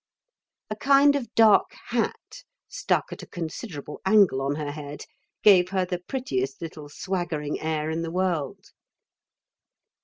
A kind of dark hat stuck at a considerable angle on her head gave her the prettiest little swaggering air in the world....